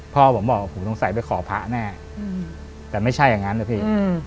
พ่อผมบอกผมสงสัยไปขอพระแน่แต่ไม่ใช่อย่างนั้นนะพี่